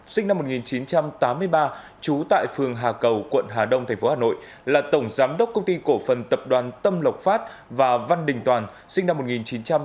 sinh năm một nghìn chín trăm tám mươi ba trú tại phường hà cầu quận hà đông tp hà nội là tổng giám đốc công ty cổ phần tập đoàn tâm lộc phát và văn đình toàn sinh năm một nghìn chín trăm tám mươi